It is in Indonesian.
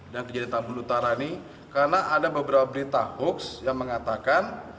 dan kejadian tabu lutara ini karena ada beberapa berita hoaks yang mengatakan